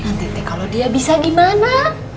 eh teteh kalau dia bisa gimana